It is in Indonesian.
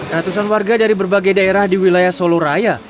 ratusan warga dari berbagai daerah di wilayah solo raya